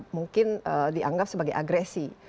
mungkin dianggap sebagai agresi